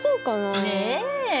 ねえ。